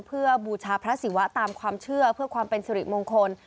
เพื่อบูชาพระศิวะตามความเชื่อเพื่อความเป็นสิริมงคล